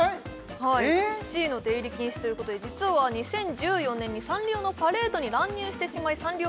はいＣの出入り禁止ということで実は２０１４年にサンリオのパレードに乱入してしまいサンリオ